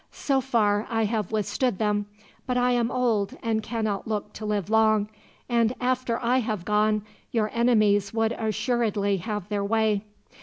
So far I have withstood them, but I am old and cannot look to live long, and after I have gone your enemies would assuredly have their way.